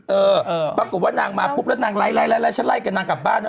เออปรากฏว่านางมาปุ๊บแล้วนางไล่ฉันไล่กับนางกลับบ้านนะ